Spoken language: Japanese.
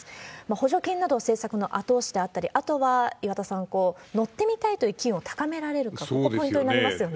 補助金など、政策の後押しであったり、あとは岩田さん、乗ってみたいという機運を高められるか、ここがポイントになりますよね。